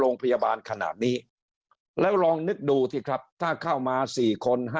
โรงพยาบาลขนาดนี้แล้วลองนึกดูสิครับถ้าเข้ามา๔คน